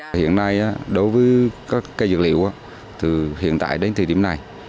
từ hiện nay đối với cây dược liệu từ hiện tại đến thời điểm này